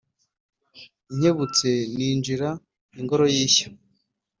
nkebutse ninjira ingoro y’ishya